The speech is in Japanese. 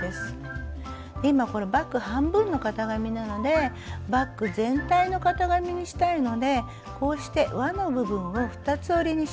今バッグ半分の型紙なのでバッグ全体の型紙にしたいのでこうして「わ」の部分を二つ折りにします。